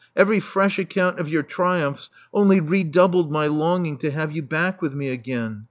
Every fresh account of your tri umphs only redoubled my longing to have you back with me again.